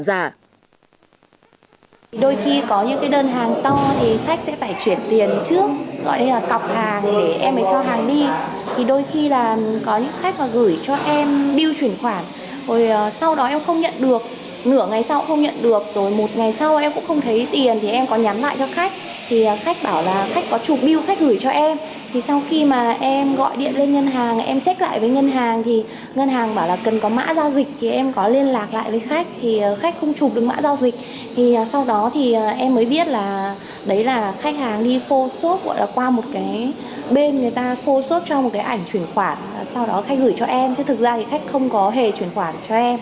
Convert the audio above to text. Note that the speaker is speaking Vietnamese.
sau đó khách gửi cho em chứ thực ra thì khách không có hề chuyển khoản cho em